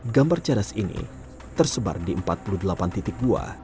gambar cadas ini tersebar di empat puluh delapan titik gua